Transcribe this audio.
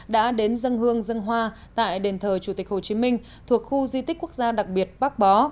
đã đến dâng hương dâng hoa tại đền thờ chủ tịch hồ chí minh thuộc khu di tích quốc gia đặc biệt bắc bó